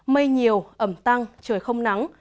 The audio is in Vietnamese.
mây nhiều ẩm tăng trời không nắng